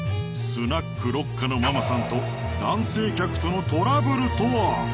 スナック六佳のママさんと男性客とのトラブルとは？